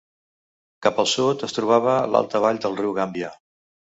Cap al sud es trobava l'alta vall del riu Gàmbia.